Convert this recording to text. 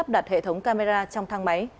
đặt hệ thống camera trong thang máy